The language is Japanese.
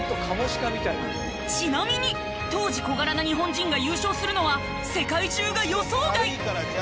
ちなみに当時小柄な日本人が優勝するのは世界中が予想外！